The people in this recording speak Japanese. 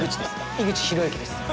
井口浩之です。